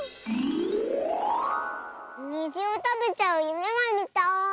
にじをたべちゃうゆめがみたい！